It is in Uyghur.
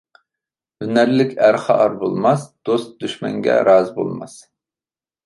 ھۈنەرلىك ئەر خار بولماس، دوست-دۈشمەنگە رازى بولماس.